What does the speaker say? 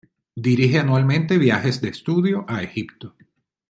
Dirige anualmente viajes de estudio a Egipto.